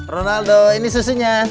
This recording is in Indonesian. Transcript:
ronaldo ini susunya